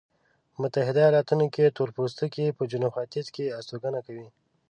په متحده ایلاتونو کې تورپوستکي په جنوب ختیځ کې استوګنه کوي.